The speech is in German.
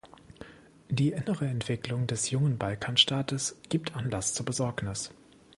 Die innere Entwicklung des jungen Balkanstaates gibt Anlass zur Besorgnis.